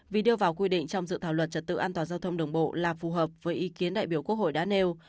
vì đưa vào quy định trong dự thảo luật trật tự an toàn giao thông đường bộ là phù hợp với ý kiến đại biểu quốc hội đã nêu